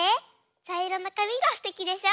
ちゃいろのかみがすてきでしょ？